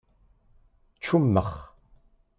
Čummex.